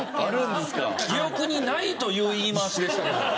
記憶にないという言い回しでしたけど。